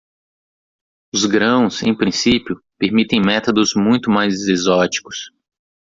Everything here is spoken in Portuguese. Os grãos, em princípio, permitem métodos muito mais exóticos.